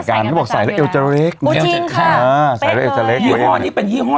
กันแล้วใช่กันมรอบไปเข้าใจเรียบไงนี้เป็นยี่ห้อ